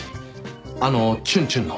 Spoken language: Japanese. あのチュンチュンの。